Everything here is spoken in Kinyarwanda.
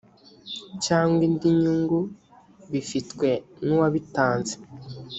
cyangwa indi nyungu bifitwe n uwabitanze